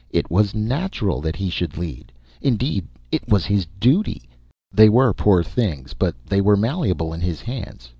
It was natural that he should lead; indeed, it was his duty. They were poor things, but they were malleable in his hands.